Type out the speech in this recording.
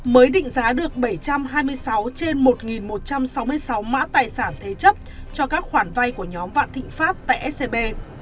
mới định giá được bảy trăm hai mươi sáu trên một một trăm sáu mươi sáu mã tài sản thế chấp cho các khoản vay của nhóm vạn thịnh pháp tại scb